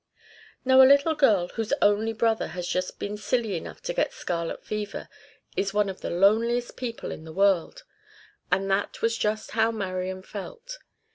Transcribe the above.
Now a little girl whose only brother has just been silly enough to get scarlet fever is one of the loneliest people in the world; and that was just how Marian felt.